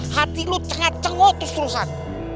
hati lo cengat cengot terus terusan